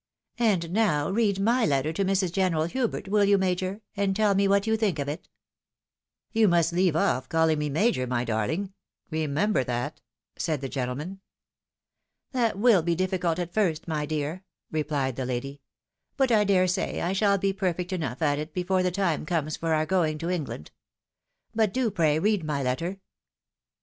" And now read my letter to Mrs. General Hubert, will you. Major, and tell me what you think of it." " You must leave off calling me Major, my darhng, — re member that," said the gentleman. " That will be difficult at first, my dear," repUed the lady ;" but I dare say I shall be perfect enough at it before the time comes for our going to England. But do pray read my letter."